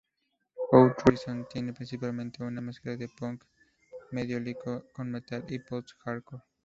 Out-Reazon, tiene principalmente una mezcla de Punk Melódico con Metal y post hardcore.